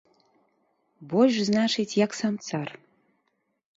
Больш значыць, як сам цар.